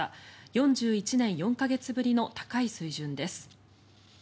４１年４か月ぶりの高い水準です。